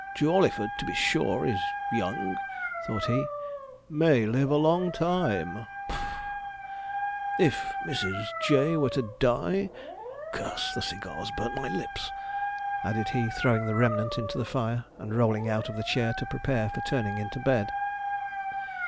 Jawleyford, to be sure, is young,' thought he; 'may live a long time' (puff). 'If Mrs. J. were to die (Curse the cigar's burnt my lips'), added he, throwing the remnant into the fire, and rolling out of the chair to prepare for turning into bed.